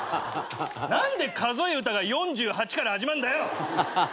何で数え歌が４８から始まんだよ！